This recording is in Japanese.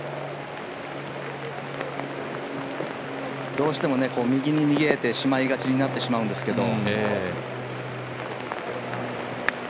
どうしても右に逃げてしまいがちになってしまうんですけど。